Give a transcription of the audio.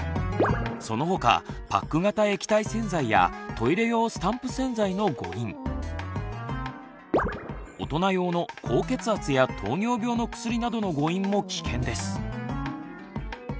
そのほかパック型液体洗剤やトイレ用スタンプ洗剤の誤飲大人用の高血圧や糖尿病の薬などの誤飲も危険です。